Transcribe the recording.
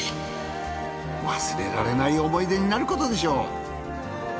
忘れられない思い出になることでしょう。